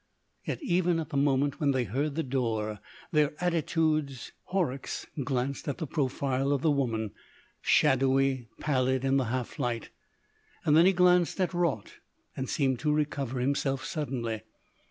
Yet even at the moment when they heard the door, their attitudes.... Horrocks glanced at the profile of the woman, shadowy pallid in the half light. Then he glanced at Raut, and seemed to recover himself suddenly.